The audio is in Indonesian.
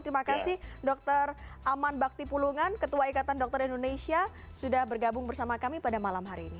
terima kasih dokter aman bakti pulungan ketua ikatan dokter indonesia sudah bergabung bersama kami pada malam hari ini